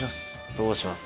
どうします？